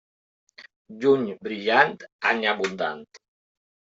Juny brillant, any abundant.